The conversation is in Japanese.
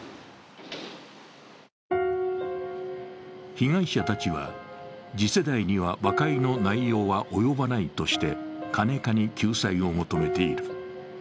被害者たちは、次世代には和解の内容は及ばないとしてカネカに救済を求めている。